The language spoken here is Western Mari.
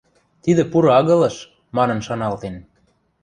«Тидӹ пуры агылыш», – манын шаналтен